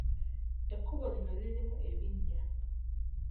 Ekkubo lino lirimu ebinnya.